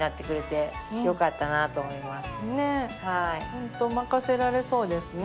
本当任せられそうですね